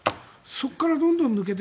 そこからどんどん抜けて。